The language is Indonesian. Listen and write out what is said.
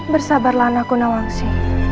bersabarlah nakuna wangsi